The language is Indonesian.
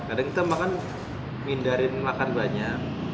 kadang kita makan mindarin makan banyak